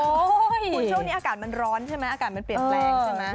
โอ้โหช่วงนี้อากาศมันร้อนใช่ไหมอากาศมันเปลี่ยนแปลงใช่ไหม